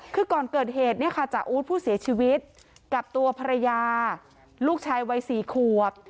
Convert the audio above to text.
คือก่อนเกิดเหตุเนี่ยค่ะจ่าอู๊ดผู้เสียชีวิตกับตัวภรรยาลูกชายวัย๔ขวบ